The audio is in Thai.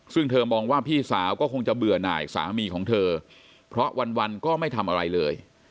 ซึ่งเธอมองว่าพี่สาวก็คงจะเบื่อหน่ายสามีของเธอเพราะวันก็ไม่ทำอะไรเลย